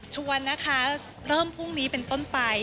ชวนนะคะเริ่มพรุ่งนี้เป็นต้นไป